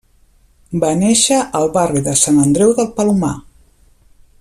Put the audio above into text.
Va néixer al barri de Sant Andreu del Palomar.